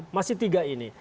masih tiga ini